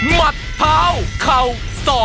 มัดเท้าเข่าสอบ